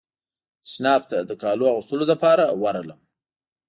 تشناب ته د کالو اغوستلو لپاره ورغلم.